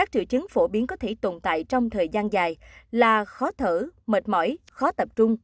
triệu chứng phổ biến có thể tồn tại trong thời gian dài là khó thở mệt mỏi khó tập trung